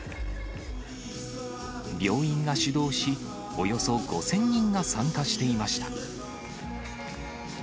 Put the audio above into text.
病院が主導し、およそ５０００人が参加していました。